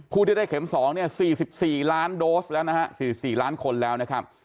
ผู้ที่ได้เข็ม๒เนี่ย๔๔ล้านโดสแล้วนะครับ